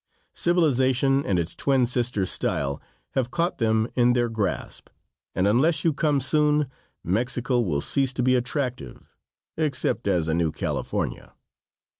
Civilization and its twin sister, style, have caught them in their grasp, and unless you come soon Mexico will cease to be attractive except as a new California.